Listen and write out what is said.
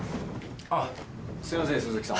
あぁすいません鈴木さん